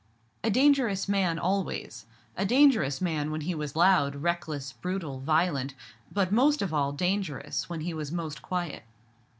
A dangerous man always—a dangerous man when he was loud, reckless, brutal, violent: but most of all dangerous when he was most quiet.